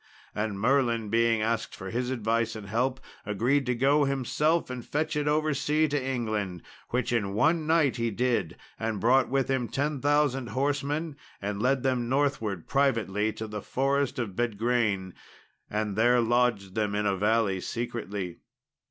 And Merlin being asked for his advice and help, agreed to go himself and fetch it over sea to England, which in one night he did; and brought with him 10,000 horsemen and led them northward privately to the forest of Bedgraine, and there lodged them in a valley secretly.